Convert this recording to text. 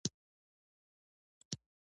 خپلواکي د ملت حق دی.